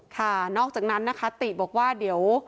ค่ะนอกจากนั้นนะคะติบอกว่าเดี๋ยว